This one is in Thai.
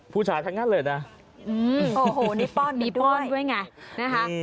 ผู้ชายทั้งงานเลยนะอืมโอ้โหนี่ป้อนด้วยมีป้อนด้วยไงนี่